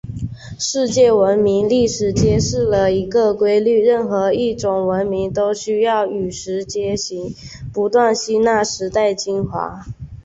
世界文明历史揭示了一个规律：任何一种文明都要与时偕行，不断吸纳时代精华。